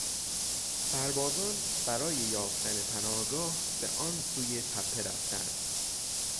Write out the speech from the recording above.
سربازان برای یافتن پناهگاه به آن سوی تپه رفتند.